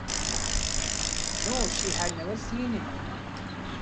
No, she had never seen him.